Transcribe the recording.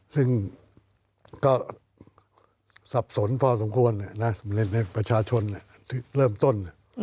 ซึ่งก็สับสนพอสมควรในประชาชนที่เริ่มต้น